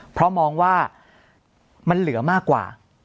เพราะมองว่ามันเหลือมากกว่า